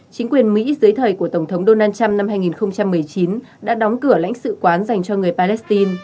chính quyền mỹ dưới thời của tổng thống donald trump năm hai nghìn một mươi chín đã đóng cửa lãnh sự quán dành cho người palestine